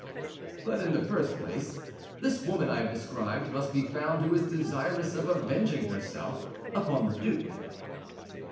"But in the first place, this woman I have described must be found who is desirous of avenging herself upon the duke."